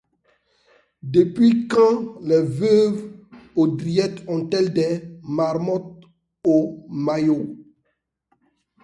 Depuis quand les veuves haudriettes ont-elles des marmots au maillot ?